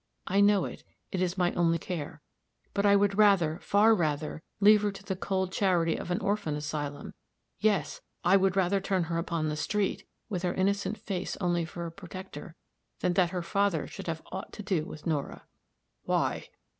I know it it is my only care. But I would rather, far rather, leave her to the cold charity of an orphan asylum yes, I would rather turn her upon the street, with her innocent face only for a protector than that her father should have aught to do with Nora." "Why?"